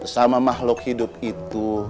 sama mahluk hidup itu